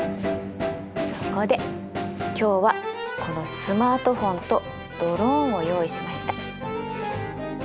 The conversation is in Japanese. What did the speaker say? そこで今日はこのスマートフォンとドローンを用意しました。